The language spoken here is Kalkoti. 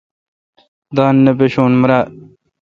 دان نہ پشو میرال۔